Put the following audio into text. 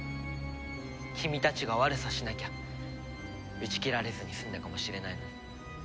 君たちが悪さしなきゃ打ち切られずに済んだかもしれないのに。